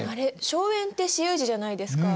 荘園って私有地じゃないですか？